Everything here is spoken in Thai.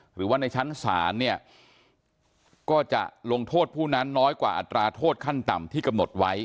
หรือว่าในชั้นศาลเนี่ยก็จะลงโทษผู้นั้นน้อยกว่าอัตราโทษขั้นต่ำที่กำหนดไว้